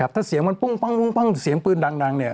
ถ้าเสียงมันปุ้งเสียงปืนดังเนี่ย